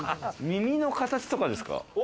耳の形とかですか？